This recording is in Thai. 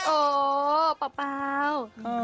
โอ้ป่าว